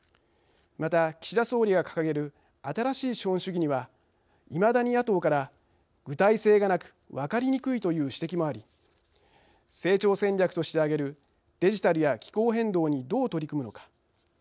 また岸田総理が掲げる新しい資本主義にはいまだに野党から具体性がなく分かりにくいという指摘もあり成長戦略として挙げるデジタルや気候変動にどう取り組むのか。